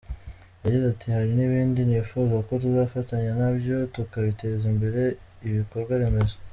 Yagize ati “Hari n’ibindi nifuza ko tuzafatanya nabyo tukabiteza imbere, ibikorwaremezo.